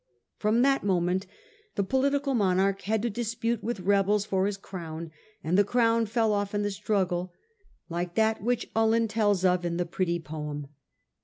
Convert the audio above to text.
From that moment the political monarch had to dispute with rebels for his crown; and the crown fell off in the struggle, like that which Uhland tells of in the pretty poem.